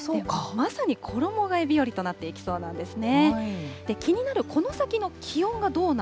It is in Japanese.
まさに衣がえ日和となっていきそうなんですね。